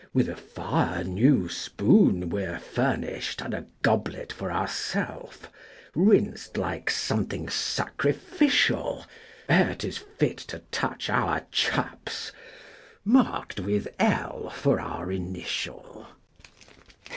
With a fire new spoon we're furnished, And a goblet for ourself, Rinsed like something sacrificial Ere 'tis fit to touch our chaps Marked with L. for our initial!